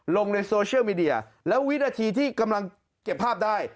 ลงในโซเชียลมีเดียแล้ววินาทีที่กำลังเก็บภาพได้